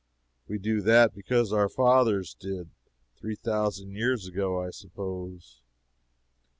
We do that because our fathers did, three thousand years ago, I suppose.